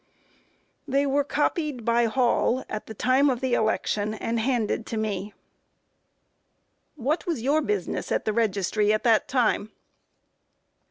A. They were copied by Hall at the time of the election, and handed to me. Q. What was your business at the registry at that time?